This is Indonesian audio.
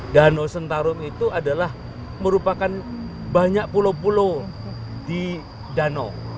danau sentarum itu adalah merupakan banyak pulau pulau di danau